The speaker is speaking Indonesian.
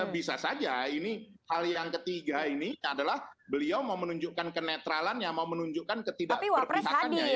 bisa saja ini hal yang ketiga ini adalah beliau mau menunjukkan kenetralan yang mau menunjukkan ketidakberpihakannya ya